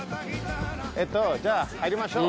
えっとじゃあ入りましょう。